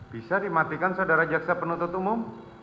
bisa dimatikan saudara jaksa penuntut umum